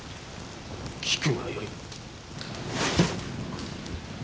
聞くがよい。